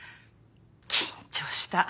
緊張した。